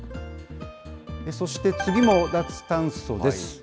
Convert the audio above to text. そして次も脱炭素です。